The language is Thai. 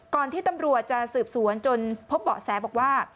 ที่ตำรวจจะสืบสวนจนพบเบาะแสบอกว่า